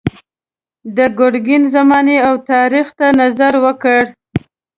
د ګرګین زمانې او تاریخ ته نظر وکړئ.